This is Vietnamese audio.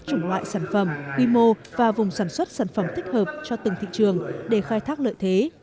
chủng loại sản phẩm quy mô và vùng sản xuất sản phẩm thích hợp cho từng thị trường để khai thác lợi thế